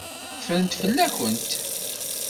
Ffrent fell-akent.